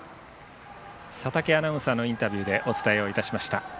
佐竹アナウンサーのインタビューでお伝えしました。